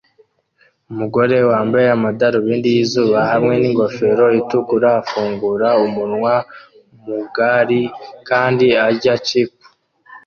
Umugabo wambaye amadarubindi yizuba hamwe ningofero itukura afungura umunwa mugari kandi arya chip